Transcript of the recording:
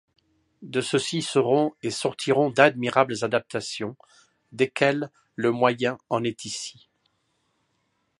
De ceci seront & sortiront d'admirables adaptations, desquelles le moyen en est ici.